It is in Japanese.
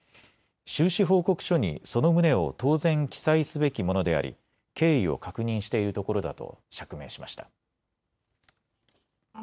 収支報告書にその旨を当然記載すべきものであり経緯を確認しているところだと釈明しました。